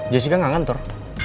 jessica gak ngantur